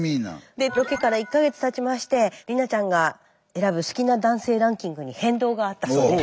でロケから１か月たちまして理菜ちゃんが選ぶ好きな男性ランキングに変動があったそうです。